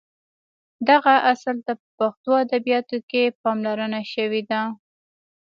دغه اصل ته په پښتو ادبیاتو کې پاملرنه شوې ده.